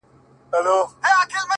• يو ما و تا؛